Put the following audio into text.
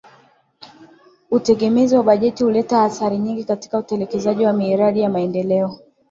Utegemezi wa bajeti huleta athari nyingi katika utekelezaji wa miradi ya maendeleo